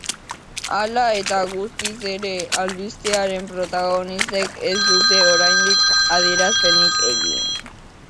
Hala eta guztiz ere, albistearen protagonistek ez dute oraindik adierazpenik egin.